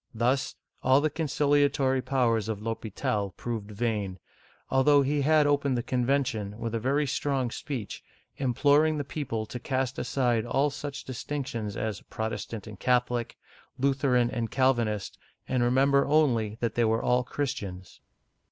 Thus, all the conciliatory powers of L'H6pital proved vain, although he had opened the con vention with a very strong speech, imploring the people to cast aside all such distinctions as Protestant and Catho lic, Lutheran and Calvinist, and remember only that they were all Christians.